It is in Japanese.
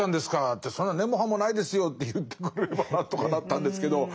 って「そんな根も葉もないですよ」って言ってくれれば何とかなったんですけど。